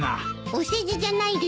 お世辞じゃないですか？